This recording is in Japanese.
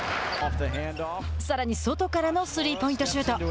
さらに外からのスリーポイントシュート。